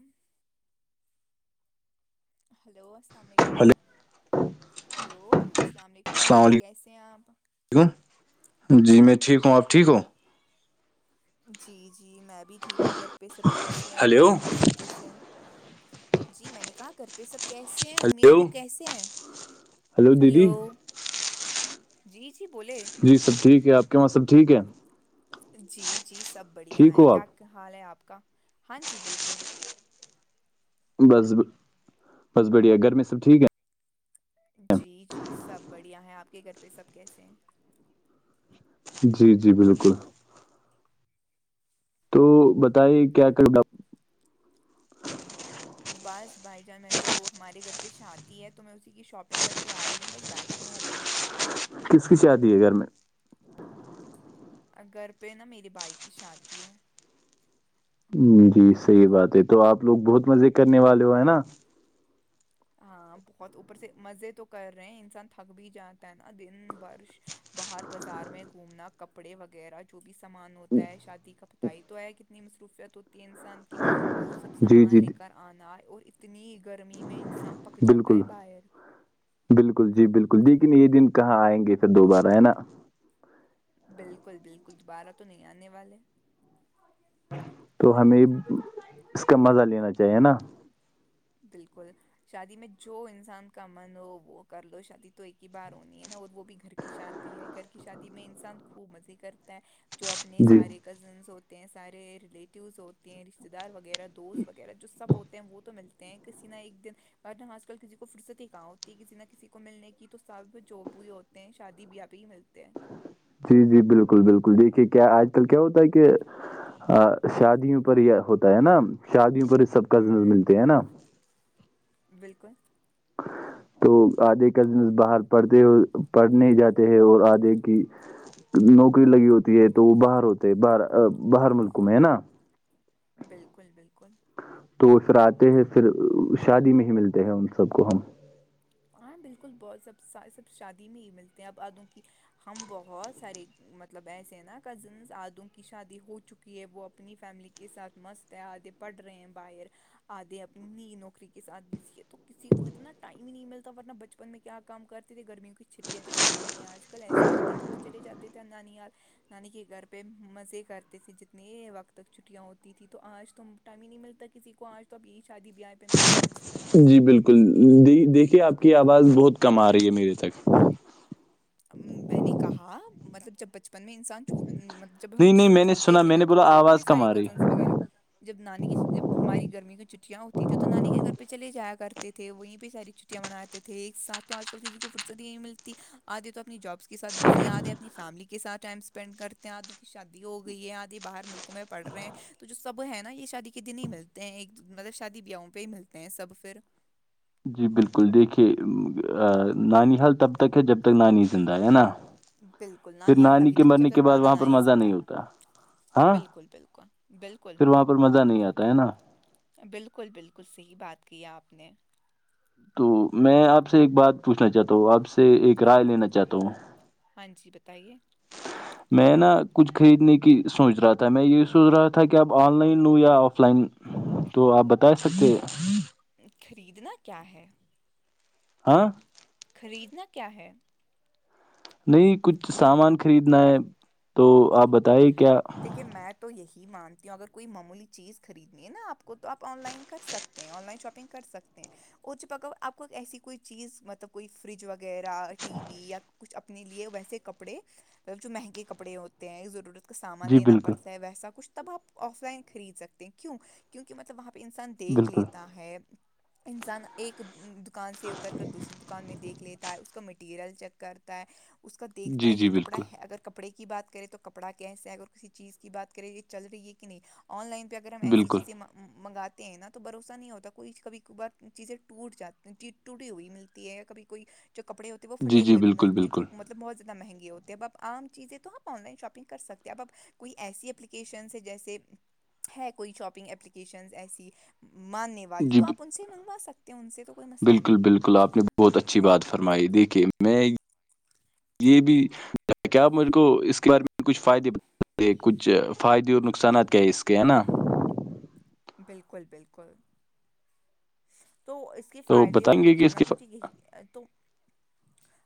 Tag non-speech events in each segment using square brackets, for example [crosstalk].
ہوں ہیلو السلام علیکم ہلو ہیلو السلام علیکم بھائی جان کیسے ہیں اپ یکم جی میں ٹھیک ہوں آپ ٹھیک ہو جی جی میں بھی ٹھیک ہوں گھر پہ سب کیسے ہیں ہلو امی ابو سب کیسے ہیں جی میں نے کہا کر کے پ سب کیسے ہیں ہلو مبو کیسے ہیں ہلو جی جی بولے جی سب ٹھیک ہے آپ کے وہاں سب ٹھیک ہے جی جی سب ٹھیک بڑھیا ہیں ہو آپ کیا حال ہے آپ کا ہاں جی بالکل بس بس بڑھیا گرمی سب ٹھیک ہے جی جی سب بڑھیا ہیں آپ کے گھر پہ سب کیسے ہیں جی جی بالکل تو بتائی کیا کرنا بس بھائی جان میں تو ہمارے گھر پہ شادی ہے تو میں اسی کی شاپنگ کر کے آئی ہوں بس بیٹھی ہوں ابھی کس کی شادی ہے گھر میں گھر پہ نا میرے بھائی کی شادی ہے جی صحیح بات ہے تو آپ لوگ بہت مزے کرنے والے ہو ہے نا ہاں بہت اوپر سے مزے تو کر رہے ہیں انسان تھک بھی جاتا ہے نا دن برش باہر بازار میں گھومنا کپڑے وغیرہ جو بھی سامان ہوتا ہے شادی کا پت ہی تو آیا کتنی مصروفیت ہوتی ہے انسان کی وہ سب جی جی سامان لے کر آنا ہے اور اتنی گرمی میں انسان پک جاتا بالکل ہے باہر بالکل جی بالکل لیکن یہ دن کہاں آئیں گے پھر دوبارہ ہے نا بالکل بالکل دوبارہ تو نہیں آنے والے تو ہمیں اس کا مزہ لینا چاہیے نا بالکل شادی میں جو انسان کا من ہو وہ کر لو شادی تو ایک ہی بار ہونی ہے نا اور وہ بھی گھر کے کی شادی ہے گھر کی شادی میں انسان خوب مزے کرتا ہے جو اپنے جی سارے کزنس ہوتے ہیں سارے ریلیٹیوز ہوتے ہیں رشتے دار وغیرہ دوست وغیرہ جو سب ہوتے ہیں وہ تو ملتے تینک سینا ایک دن اورن آج کل کسی کو فرصتی ہی کہاں ہوتی کسی نہ کسی کو ملنے کی تو سب جوب بھیئی ہوتی شادی بیا پہ بھی ملتے ہیں جی جی بالکل بالکل دیکھیے کیا آج کل کیا ہوتا ہے کہ شادیوں پر یہ ہوتا ہے نا شادیوں پر سب کزنز ہوں ملتے ہیں نا بالکل تو آدھے کازنس باہر پڑھتے ہو پڑھنے جاتے ہے اور آدھے کی نوکری لگی ہوتی ہے تو وہ باہر ہوتے باہر باہر ملکوں میں ہے نا بالکل بالکل تو پھر آتے ہیں پھر شادی میں ہی ملتے ہیں ان سب کو ہم ہاں بالکل بہت سب سب شادی میں ہی ملتے ہیں اب آدوں کی ہم بہت سارے مطلب ایسے ہیں نا کزنس آدوں کی شادی ہو چکی ہے وہ اپنی فیملی کے ساتھ مست ہے دیں پڑھ رہے ہیں باہر آدے اپنی نوکری کے ساتھ بھیزی ہے تو کسی کو اتنا ٹائم بھی نہیں ملتا ورنہ بچپن میں کیا کام کرتے تھے گرمیوں کی چھٹیا جیسے ہو رہی ہیں آج کل ایسی ہوتی تھی تو چلے جاتے تھے نانییاار نانی کے گھر پہ مزے کرتے تھے جتنے وقت تک چھٹیاں ہوتی تھی تو آج ت ٹائم ہی نہیں ملتا کسی کو آج تو اب یہ شادی بیاہ پہ ملتی جی بالکل دیکھیے آپ کی آواز بہت کم آ رہی ہے میرے تک میں نے کہا مطلب جب بچ میں انسانب جب ہم نہیں نہیں سب میں نے چھوے سنا تھے میں نا نے تو بولا مطلب ہمارے آواز کم سارے آ رہی کزنس وغیرہ جب نانی کی جب ہماری گرمی کی چھٹیاں ہوتی تیں تو نانی کے گھر پہ چلے جایا کرتے تھے وہیں پہ ساری چ ں مناتے تھے ایک ساتھ تو آج کل کسی کو فرصت نہیں ملتی آ دے تو اپنی جابس کے ساتھ بزی آ دے اپنی فیملی کے ساتھ ٹائم پینڈ کرتے ہیں آد کی شادی ہو گئی ہے آد یہ باہر ملکوں میں پڑ رہے ہیں تو جو سب ہے نا یہ شادی کے دن ہی ملتے ہیں ایک مطلب شادی بیاہوں پہ ہی ملتے ہیں سب پھر جی بالکل دیکھیے نانی حال تب تک ہے جب تک نانی زندہ ہے ہے نا بالکل پھر نانیال نانی تبھی کے تک کہ جب مرنے تک کے بعد نانا وہاں پر نانی مزہ زندہ نہیں ہوتا ہاں بالکل بالکل بالکل پھر وہاں پر مزہ نہیں آتا ہے نا بالکل بالکل صحیح بات کی آپ نے تو میں آپ سے ایک بات پوچھنا چاہتا ہوں آپ سے ایک رائے لینا چاہتا ہوں ہاں جی بتائیے میں نا کچھ خریدنے کی سوچ رہا تھا میں یہی سوچ رہا تھا کہ اب آن لائن لوں یا آف لائن [inaudible] تو آپ بتا سکتے خریدنا کیا ہے ہاں خریدنا کیا ہے نہیں کچھ سامان خریدنا ہے تو آپ بتائیے کیا کہ میں تو یہی مانتی ہوں اگر کوئی معمولی چیز خریدنی ہے نا آپ کو تو آپ آن لائن کر سکتے آن لائن شاپنگ کر سکتے ہیں اچ پکا آپ کو ایسی کوئی چیز مطلب کوئی فریج وغیرہ ٹی وی یا کچھ اپ اپنے لیے ویسے کپڑے مطلب جو مہنگے کپڑے ہوتے ہیںور کا سامان جی لینا بالکل پڑتا ہے ویسا کچھ تب آپ آف لائن خرید سکتے ہیں کیوں کیونکہ مطلب وہاں پہ انسان دیکھ بالکل لیتا ہے انسان ایک دکان سے اتر کر دوسری دکان میں دیکھ لیتا ہے اس کا مٹیریل چیک کرتا ہے اس کا دیکھتا جی ہے یہ جی کپڑا بالکل ہے اگر کپڑے کی بات کریں تو کپڑا کیسا اگر کسی چیز کی بات کریں یہ چل رہی ہے کہ نہیں آن لائن پہ اگر ہم ایسی بالکل چیزیں منگاتے ہیں نا تو بھروسہ نہیں ہوتا کوئی کبھی کبھار چیزیں ٹوٹ جات ٹوٹی ہوئی ملتی ہے کبھی کوئی جو کپڑے ہوتے ہیں وہ جی فھٹے جی ہوئے بھی بالکل ملتے ہیں جو بالکل ملب مب بت زیادہنی ہوتے ہیں اب عام چزیں تو آن لن شاپ کر سکتے ہیں اب اپ کوئی ایسی اپپلیکیشنس ہے جیسے ہے کوئی شاپنگ اپلیکیشن ایسی ماننے والی جی تو ب- آپ ان سے منگوا سکتے ہیں ان سے تو کوئی مسئلہ بالکل نہیں ہے بالکل آپ نے بہت اچھی بات فرمائی دیکھیے میں یہ بھی کیاپ میرے کو اس کے بارے میں کچھ فائدے ب کہ کچھ فائدے اور نقصانات کیا ہے اس کے ہے نا بالکل بالکل تو اس کے تو فائدے اور بتائیں گے کہ اس کے نقصانات فا- مجھے یہی تو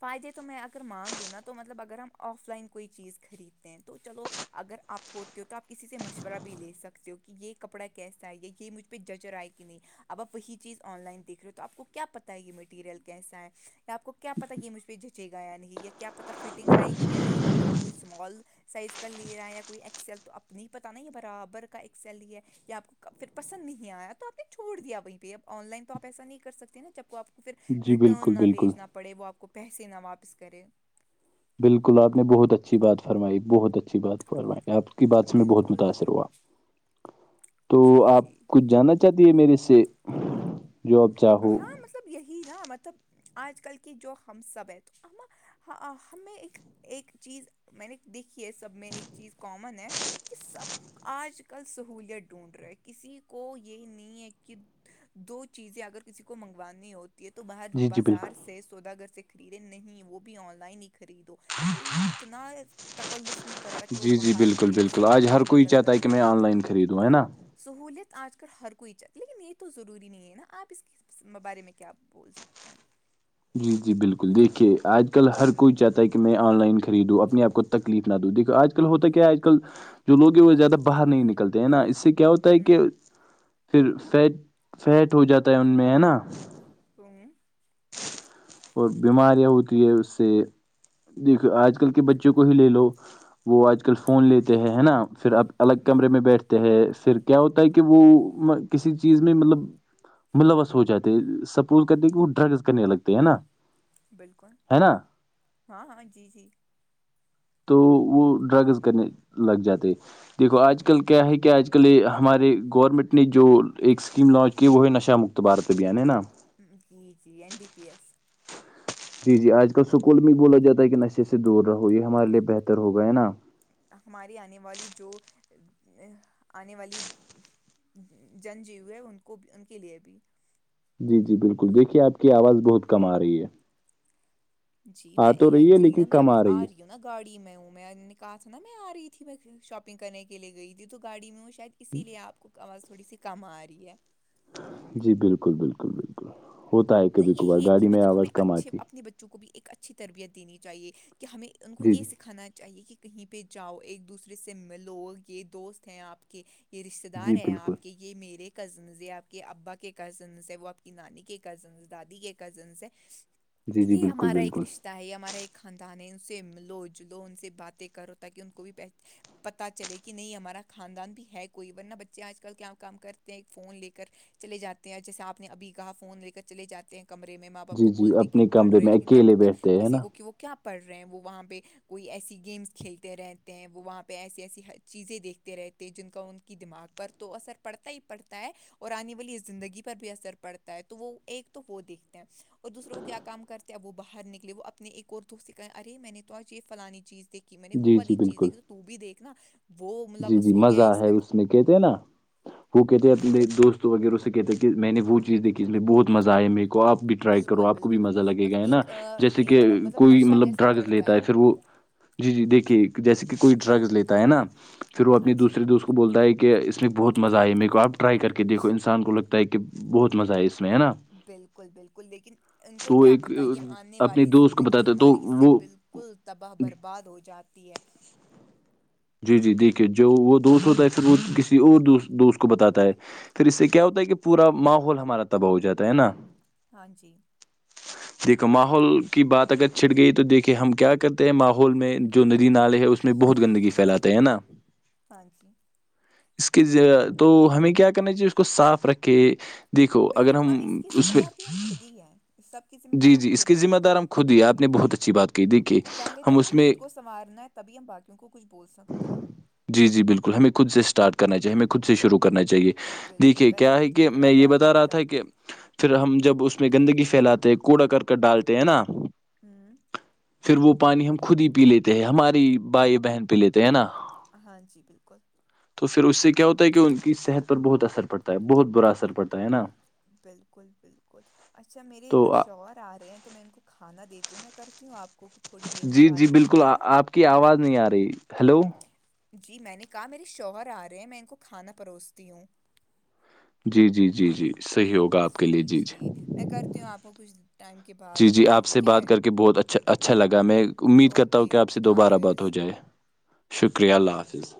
فائدے تو میں اگر مان لوں نا تو مطلب اگر ہم آف لائن کوئی چیز خریدتے ہیں تو چلو اگر آپ ہوتے ہو تو آپ کسی سے مشورہ بھی لے سکتے ہو کہ یہ کپڑا کیسا ہے یا یہ مجھ پزا چ رائی کینی اب آپ وہی چیز آن لائن دیکھ رہے ہو تو آپ کو کیا پتا ہے یہ مٹیریل کیسا ہے یا آپ کو کیا پتا یہ مجھ پہ جھچے گا نہیں یا کیا پتا فٹنگ آئے گی یا نہیں اگر آپ کوئی اسمال سائز کا لے رہا یا کوئی ایکس ایل تو اپنی پتا نہ ہے برابر کا ایکس ایل ہی ہے یا آپ کو پھر پسند نہیں آیا تو آپ نے چھوڑ دیا وہیں پہ اب آن لائن تو آپ ایسا نہیں کر سکتے نا جب کو آپ پھر جی بالکل ریٹرن نہ بالکل بھیجنا پڑے وہ آپ کو پیسے نہ واپس کرے بالکل آپ نے بہت اچھی بات فرمائی بہت اچھی اچھی بات فرمائی آپ کی بات سے میں بہت بالکل متاثر ہوا تو جی آپ جی کچھ جانا چاہتی ہے میرے سے جو آپ چاہو ہاں مطلب یہی نا مطلب آج کل کی جو ہم سب ہیں تو ہم ہاں ہمیں ایک ایک چیز میں نے دیکھی ہے سب میں ایک چیز کامن ہے کہ سب آج کل سہولت ڈھونڈ رہے کسی کو یہ نہیں ہے کہ دو چیزیں اگر کسی کو منگوانی ہوتی ہے تو باہر جی جی بازار بالکل سے سوداگر سے خریدے نہیں وہ بھی آن لائن ہی خریدو کوئی اتنا تکلف نہیں کرتا کہ وہ جی جی باہر بالکل گیٹ سے بالکل آج باہر ہر کوئی نکل کر چاہتا ہے کہ دکا میں آن لائن خریدوں ہے نا سہولیت آج کل ہر کوئی چاہیتی ہے لیکن یہ تو ضروری نہیں ہے نا آپ اس کی اس بارے میں کیاپ بول سکتے ہیں جی جی بالکل دیکھیے آج کل ہر کوئی چاہتا ہے کہ میں آن لائن خریدوں اپنے آپ کو تکلیف نہ د دیکو آج کل ہوتا کیا آج کل جووگ ہیں وہ زیادہ باہر نہیں نکلتے ہیں نا اس سے کیا ہوتا ہے کہ ہوں پھر فیٹ فیٹ ہو جاتا ہے ان میں ہے نا تووں اور بیماریاں ہوتی ہے اس سے دیکھو آج کل کے بچوں کو ہی لے لو وہ آج کل فون لیتے ہیں ہے نا پھر اب الگ کمرے بالکل میں بیٹھتے ہیں پھر کیا ہوتا ہے کہ وہ کسی چیز میں مطلب ملوث ہو جاتے سپوز کرتے کہ وہ ڈرگز کرنے لگتے ہے نا بالکل ہے نا ہاں ہاں جی جی تو وہ ڈرگز کرنے لگ جاتے دیکھو آج کل کیا ہے کہ آج کل یہ ہمارے گورنمنٹ نے جو ایک اسکیم لانچ کی وہ ہے نشہ مک اتبار سے بھی آنےا جی جی این ڈی پی ایس جی جی آج کل سکول میں ہی بولا جاتا ہے کہ نشے سے دور رہو یہ ہمارے لیے بہتر ہوگا ہے نا ہماری آنے والی جو آنے والی جن جیو ہے ان کو بھی ان کے لیے بھی جی جی بالکل دیکھیے آپ کی آواز بہت کم آ رہی ہے جی میں آ تو رہی ہے ایکچولی نا لیکن میں کم ابھی آ رہی ہے ہ نا گاڑی میں ہو ں میں نے کہا تھا نا میں آ رہی تھی میں شاپنگ کرنے کے لیے گئی تھی تو گاڑی میں ہوں شاید اسی لیے آپ کو آواز تھوڑی سی کم آ رہی ہے [inaudible] ہوتا ہے کبھی کبھار یہی ہے کہ گاڑی میں مطلب ہمیں آواز کم اچھے آتی اپنے بچوں کو بھی ایک اچھ اچھی تربیت دینی چاہیے کہ ہمیں ان کو جی یہ جی سکھانا چاہیے کہ کہیں پہ جاؤ ایک دوسرے سے ملو یہ دوست ہیں آپ کے یہ رشتتے جی دار ہیں بالکل آپ کے یہ میرے کزنس یا آپ کے ابا کے کزنس ہے وہ آپ کی نانی کے کزنس دادی کے کزنس ہیں جی جی یہ بالکل ہمارا ایک بالکل رشہ ہے یہ ہمارا ایک خاندان ہے ان سے لو ج لو ان سے باتیں کرو تاکہ ان کو بھی پتاہ چلے کہ نہیں ہمارا خاندان بھی ہے کوئی ورنہ بچے آج کل کیا کام کرتے ہیں فون لے کر چل جاتے ہیں جیسے آپ نے ابھی کہا فون لے کر چلے جاتے کمرے میں ماں باپ جی کو جی بولتے کہ اپنے ہم پڑ کمرے رہے ہیں میں لیکن کیا اکیلے پتا بیٹھتے ہیں کسی نا کو کہ وہ کیا پڑھ رہے ہیں وہاں پہ کوئی ایسی گیمس کھیلتے رہتے ہیں وہاں پہ ایسی ایسی چیزیں دیکھتے رہتے ہیں جن کا ان کی دماغ پر تو اثر پڑتا ہی پڑتا ہے اور آنے والی زندگی پر بھی اثر پڑتا ہے تو وہ ایک تو وہ دیکھتے ہیں اور دوسرے کو کیا کام کرتے ہیں وہ باہر نکلے وہ اپنی ایک اور تو اس کہا اے میں نے تو آج یہ فلانی چیز دیکھی میں نے وہ جی جی والی چیز بالکل دیکھی تو بھی دیکھ ن جی جی مزہ ہے اس میں کہتے ہیں نا وہ کہتے جی اپنے دوست تو وغیرہ سے کہتے کہ میں نے وہ چیز دیکھی اس میں بہت مزہ آیا میرے کو اب بھی ٹرائی کرو بالکل آپ کو بھی بالکل نا مزہ لگے گا مطلب ہے نا ایک آ، جیسے کہ ایک مطلب کوئی نشہ مطلب جیسا ڈرگز چڑھتا لیتا ہے پھر وہ جی جی دیکھیے جیسے کہ کوئی ڈرگ لیتا ہے نا پھر وہ ہاں اپنی جی دوسرے دو اس کو بولتا ہے کہ اس میں بہت مزہ آیا میرے کو آپ ٹرائی کر کے دیکھو انسان کو لگتا ہے کہ بہت مزہ ہے اس میں ہے نا بالکل بالکل لیکن ان کو تو کیا ایک پتہ یہ آنے اپنے والی دوست کو زندگی بتاتا ہے تو ہماری اس سے وہ بالکل کل تباہ برباد ہو جاتی ہے جی جی دیکھیے جو وہ دوست ہوتا ہے پھر وہ کسی اور دو دوست کو بتاتا ہے پھر اس سے کیا ہوتا ہے کہ پورا ماحول ہمارا تباہ ہو جاتا ہے نا ہاں جی دیکھو ماحول کی بات اگر چھٹ گئی تو دیکے ہم کیا کرتے ہیں ماحول میں جو ندی نالے ہے اس میں میں بہت گندگی پھیلاتے ہیں نا ہاں جی اس کے تو ہمیں کیا کرنا چاہیے اس کو صاف رکھے دیکھو اگر بالکل ہم کی اس ذمہ پہ دار بھی ہم خود ہی ہیں اس سب کی ذمہ جی دار ہم جی اس خود کی ہیں ذمہ دار ہم خود ہی آپ نے بہت اچھی بات کی دیکھیے پہلے ہم تو ہمیں اس میں خود کو سنوارنا ہے تبھی ہم باقیوں کو کچھ بول سکتے ہیں جی جی بالکل ہمیں کچھس ارٹ کرنا چاہیے ہمیں خود سے شروع کرنا بالکل چاہیے بالکل دیکھیے پہلے کیا ہے خود کی کہ میں یہ گرابان بتا ہمیں رہا جا تھا کہ پھر ہم جب اس میں گندگی پھیلاتے ہیں کوڑا کرک ڈالتے ہے نا ہاں پھر وہ پانی ہم خود ہی پی لیتے ہیں ہماری بھائی بہن پی لیتے ہے نا ہاں جی بالکل تو پھر اس سے کیا ہوتا ہے کہ ان کی صحت پر بہت اثر پڑتا ہے بہت برا اثر پڑتا ہے نا بالکل بالکل اچھا میرے تو انا شوہر آ رہے ہیں تو میں ان کو کھانا دیتی ہوں میں کرتی ہوں آپ کو تھوڑی دیر میں جی جی بات بالکل کرتے ہیں ہم آپ کی آواز نہیں آ رہی ہیلو جی میں نے کہا میرے شوہر آ رہے ہیں میں ان کو کھانا پروستی ہوں جی جی جی جی صحیح ہوگا آپ کے لیے جی جی میں کرتی ہوں آپ کو کچھ ٹائم کے بعد جی جی کال آپ سے ٹھیک بات ہے کر کے بہت اچھا اچھا لگا میں امید کرتا ہوں کہ اوکے آپ سے خدا دوبارہ بات حافظ ہو جائے شکریہ اللہ حافظ